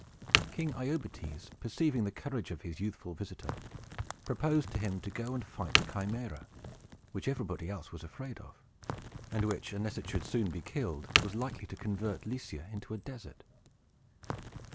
King Iobates, perceiving the courage of his youthful visitor, proposed to him to go and fight the Chimæra, which everybody else was afraid of, and which, unless it should be soon killed, was likely to convert Lycia into a desert.